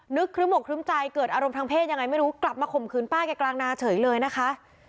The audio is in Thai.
ครึ้มอกครึ้มใจเกิดอารมณ์ทางเพศยังไงไม่รู้กลับมาข่มขืนป้าแกกลางนาเฉยเลยนะคะ